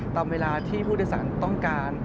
ตามเวลาที่ผู้โดยสารต้องการ